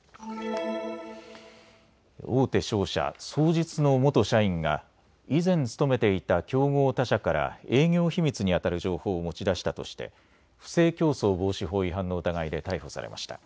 大手商社、双日の元社員が以前勤めていた競合他社から営業秘密にあたる情報を持ち出したとして不正競争防止法違反の疑いで逮捕されました。